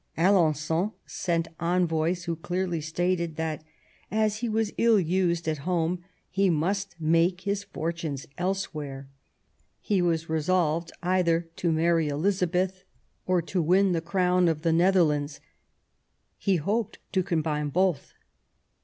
Alen9on sent envoys who clearly stated that, as he was ill used at home, he must make his fortunes elsewhere ; he was resolved either to marry Eliza beth or win the crown of the Netherlands ; he hoped to combine both.